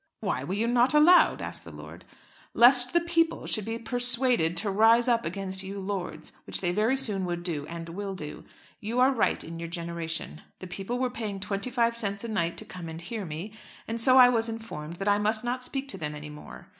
"Why were you not allowed?" asked the lord. "Lest the people should be persuaded to rise up against you lords, which they very soon would do, and will do. You are right in your generation. The people were paying twenty five cents a night to come and hear me, and so I was informed that I must not speak to them any more.